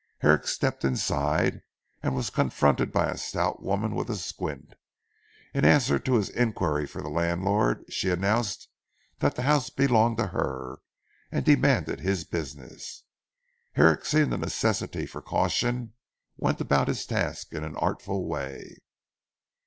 Herrick stepped inside, and was confronted by a stout woman with a squint. In answer to his inquiry for the landlord, she announced that the house belonged to her, and demanded his business. Herrick seeing the necessity for caution went about his task in an artful way.